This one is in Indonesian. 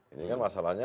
ini kan masalahnya